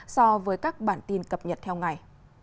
so với các bản tin cập nhật theo ngày